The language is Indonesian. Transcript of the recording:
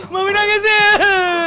mami nangis deh